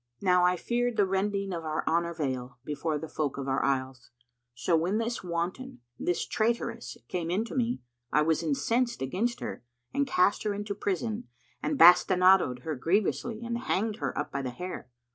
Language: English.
Now I feared the rending of our honour veil before the folk of our Isles; so when this wanton, this traitress, came in to me, I was incensed against her and cast her into prison and bastinado'd her grievously and hanged her up by the hair.